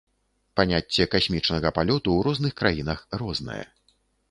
Паняцце касмічнага палёту ў розных краінах рознае.